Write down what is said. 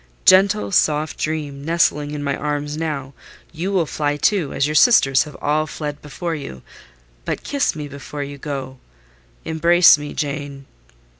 Gentle, soft dream, nestling in my arms now, you will fly, too, as your sisters have all fled before you: but kiss me before you go—embrace me, Jane."